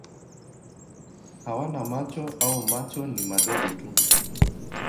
Hawana macho au macho ni madogo tu.